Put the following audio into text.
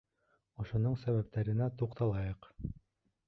Ошоноң сәбәптәренә туҡталайыҡ.